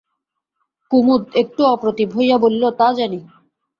কুমুদ একটু অপ্রতিভ হইয়া বলিল, তা জানি।